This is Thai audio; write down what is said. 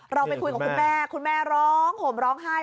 เราไปคุยกับคุณแม่คุณแม่ร้องห่มร้องไห้